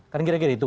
kan kira kira gitu